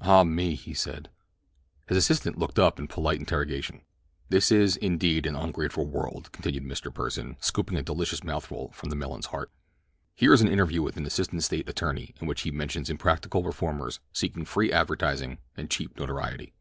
"Ah me," he said. His assistant looked up in polite interrogation. "This is, indeed, an ungrateful world," continued Mr. Pursen, scooping a delicious mouthful from the melon's heart. "Here is an interview with an assistant State attorney in which he mentions impractical reformers seeking free advertising and cheap notoriety.